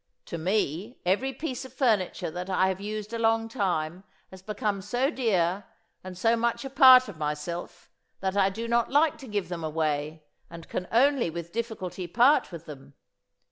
To me every piece of furniture that I have used a long time has become so dear and so much a part of myself that I do not like to give them away and can only with difficulty part with them.